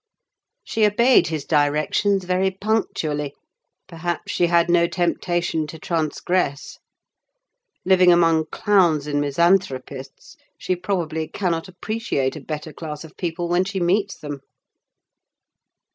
She obeyed his directions very punctually: perhaps she had no temptation to transgress. Living among clowns and misanthropists, she probably cannot appreciate a better class of people when she meets them.